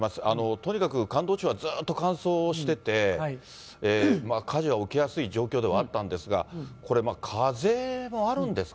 とにかく関東地方はずっと乾燥してて、火事は起きやすい状況ではあったんですが、これ、風もあるんです